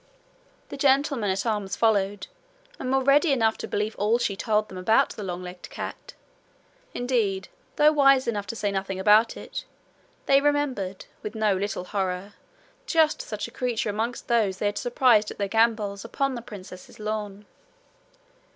The gentlemen at arms followed, and were ready enough to believe all she told them about the long legged cat. Indeed, though wise enough to say nothing about it, they remembered, with no little horror, just such a creature amongst those they had surprised at their gambols upon the princess's lawn.